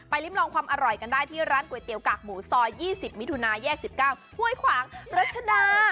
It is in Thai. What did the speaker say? ริมลองความอร่อยกันได้ที่ร้านก๋วยเตี๋กากหมูซอย๒๐มิถุนายแยก๑๙ห้วยขวางรัชดา